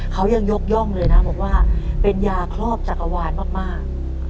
เขายังยกย่องเลยนะบอกว่าเป็นยาครอบจักรวาลมาก